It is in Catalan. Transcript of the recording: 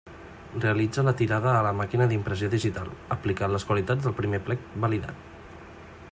Realitza la tirada a la màquina d'impressió digital, aplicant les qualitats del primer plec validat.